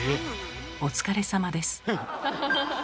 お疲れさまです。